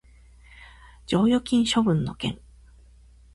剰余金処分の件